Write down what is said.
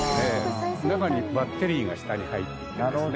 中にバッテリーが下に入っていてですね